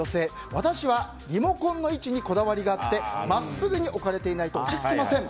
私はリモコンの位置にこだわりがあって真っすぐに置かれていないと落ち着きません。